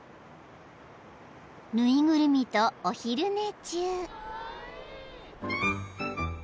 ［縫いぐるみとお昼寝中］